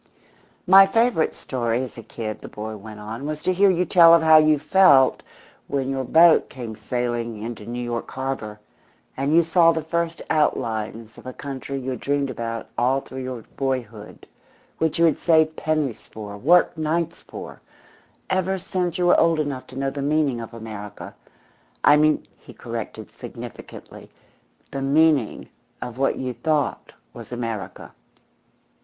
"My favourite story as a kid," the boy went on, "was to hear you tell of how you felt when your boat came sailing into New York Harbour, and you saw the first outlines of a country you had dreamed about all through your boyhood, which you had saved pennies for, worked nights for, ever since you were old enough to know the meaning of America. I mean," he corrected, significantly, "the meaning of what you thought was America.